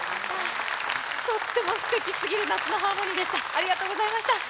とってもすてきすぎる夏のハーモニーでした。